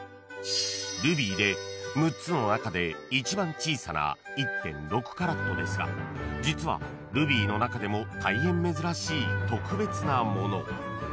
［ルビーで６つの中で一番小さな１．６カラットですが実はルビーの中でも大変珍しい特別なもの］